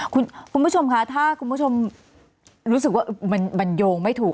คุณผู้ชมคะถ้าคุณผู้ชมรู้สึกว่ามันโยงไม่ถูก